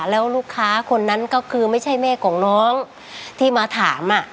แล้วลูกค้าคนนั้นก็คือไม่ใช่แม่ของน้องที่มาถาม